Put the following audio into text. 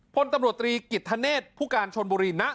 พลตำรวจตรีกิจธเนศผู้การชนบุรีณ